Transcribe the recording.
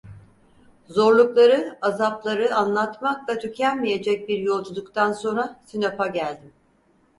Zorlukları, azapları anlatmakla tükenmeyecek bir yolculuktan sonra Sinop'a geldim…